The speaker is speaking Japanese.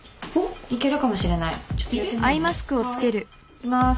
いきます。